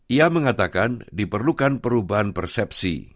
ia mengatakan diperlukan perubahan persepsi